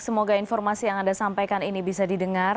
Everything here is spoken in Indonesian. semoga informasi yang anda sampaikan ini bisa didengar